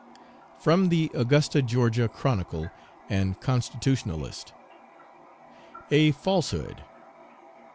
(From the Augusta (Ga.) Chronicle and Constitutionalist.) A FALSEHOOD.